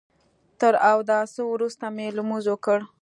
تر اوداسه وروسته مې لمونځ وکړ.